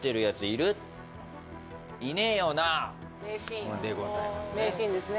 「いねえよなぁ！！？」でございます